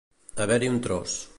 Haver-hi un tros.